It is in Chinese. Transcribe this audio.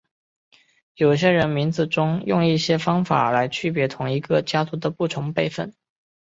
有些人名字中用一些方法来区别同一个家族的不同辈分。